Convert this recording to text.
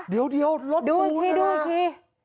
เดี๋ยวรถมือปูนดูอีกที